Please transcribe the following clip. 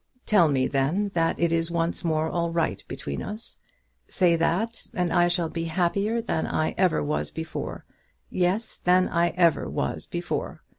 "Tell me, then, that it is once more all right between us. Say that, and I shall be happier than I ever was before; yes, than I ever was before.